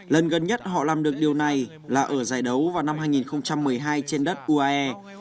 lần gần nhất họ làm được điều này là ở giải đấu vào năm hai nghìn một mươi hai trên đất uae